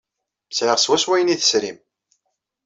Sɛiɣ swawa ayen ay tesrim.